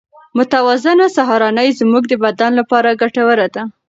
متوازنه سهارنۍ زموږ د بدن لپاره ګټوره ده.